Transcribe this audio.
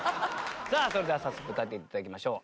さあそれでは早速歌って頂きましょう。